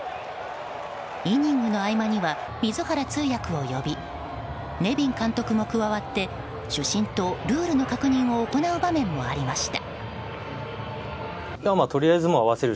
イニングの合間には水原通訳を呼びネビン監督も加わって主審とルールの確認を行う場面もありました。